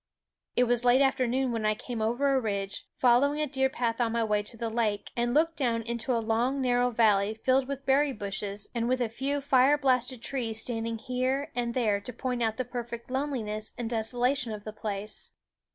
It was late afternoon when I came over a ridge, following a deer path on my way to the lake, and looked down into a long narrow valley filled with berry bushes, and a few fire blasted trees standing here and there to point out the perfect lone liness and desolation of the place.